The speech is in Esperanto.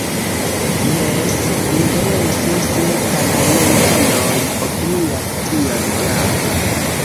Jes, interese se parlamentanoj opinias tion grava.